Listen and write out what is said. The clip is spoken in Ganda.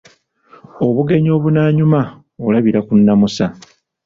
Obugenyi obunaanyuma, olabira ku nnamusa.